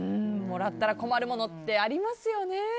もらったら困るものってありますよね。